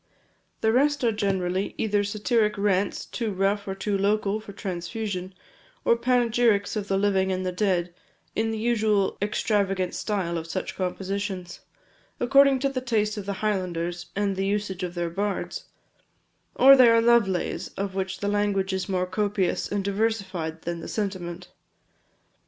The rest are generally either satiric rants too rough or too local for transfusion, or panegyrics on the living and the dead, in the usual extravagant style of such compositions, according to the taste of the Highlanders and the usage of their bards; or they are love lays, of which the language is more copious and diversified than the sentiment.